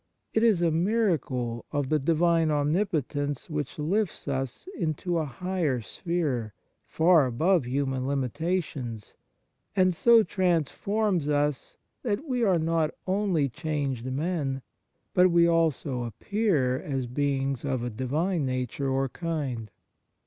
It is a miracle of the Divine Omnipotence which lifts us into a higher sphere, far above human limitations, and so transforms us that we are not only changed men, but we also appear as beings of a Divine nature or kind.